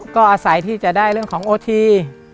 ก็อาศัยที่จะได้เรื่องของโอที